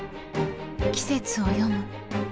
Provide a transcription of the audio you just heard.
季節を読む。